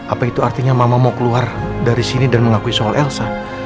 apa itu artinya mama mau keluar dari sini dan mengakui soal elsa